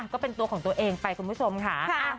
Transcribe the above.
ก็เป็นตัวของตัวเองไปคุณผู้ชมค่ะ